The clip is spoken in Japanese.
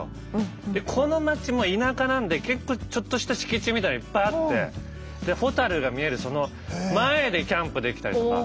この町も田舎なんで結構ちょっとした敷地みたいなのいっぱいあってホタルが見えるその前でキャンプできたりとか。